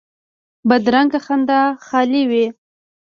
بدرنګه خندا خالي وي